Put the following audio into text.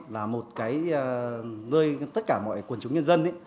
là một cái nơi tất cả mọi quần chúng nhân dân